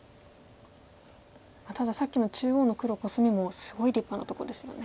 たださっきの中央の黒コスミもすごい立派なとこですよね。